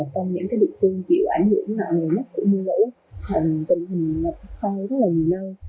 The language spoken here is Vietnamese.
trong những địa phương chịu ảnh hưởng nặng nề nhất của mưa lũ tình hình ngập sâu rất là nhiều nơi